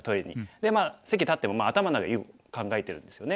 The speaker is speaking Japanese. でまあ席立っても頭の中で囲碁考えてるんですよね。